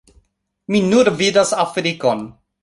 Mi nur vidas Afrikon